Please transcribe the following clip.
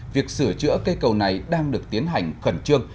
việc sửa chữa cây cầu này đang được tiến hành khẩn trương